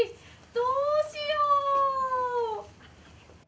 どうしよう？